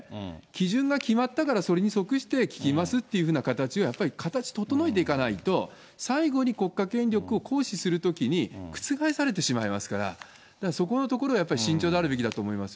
基準が決まったから、それに即して聞きますというふうな形がやっぱり、形整えていかないと、最後に国家権力を行使するときに、覆されてしまいますから、だからそこのところは慎重であるべきだと思いま